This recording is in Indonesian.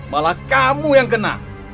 malah kamu yang kena